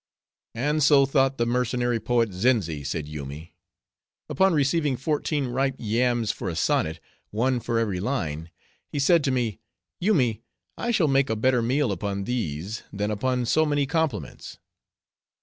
'" "And so thought the mercenary poet, Zenzi," said Yoomy. "Upon receiving fourteen ripe yams for a sonnet, one for every line, he said to me, Yoomy, I shall make a better meal upon these, than upon so many compliments."